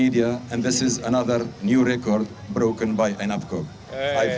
dan ini adalah rekoran baru yang telah ainapcog membuat